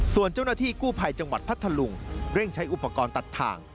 ส่วนเจ้าหน้าที่กู้ภัยจังหวัดพัทธลุงเร่งใช้อุปกรณ์ตัดทาง